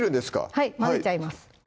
はい混ぜちゃいます